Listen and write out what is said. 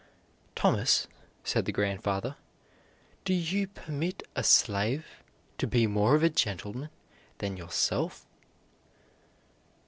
"Thomas," said the grandfather, "do you permit a slave to be more of a gentleman than yourself?"